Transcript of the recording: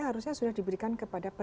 harusnya sudah diberikan kepada